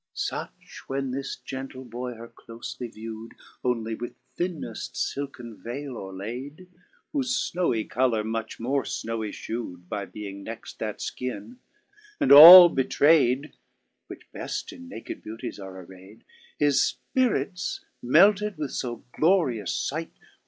Such when this gentle boy her clofly view'd, Onely with thinneft filken vaile o'er layd, Whofe fnowy coloxir much more fnowy ftiew'd By being next that fkin, and all betrayed. Which beft in naked beauties are array'd. His fpirits, melted with fo glorious fight.